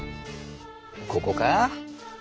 ここか？